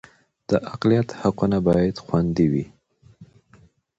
د اقلیت حقونه باید خوندي وي